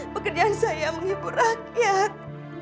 pekerjaan saya menghibur rakyat